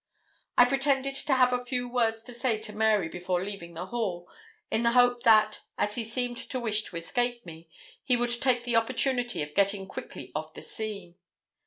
I pretended to have a few words to say to Mary before leaving the hall, in the hope that, as he seemed to wish to escape me, he would take the opportunity of getting quickly off the scene.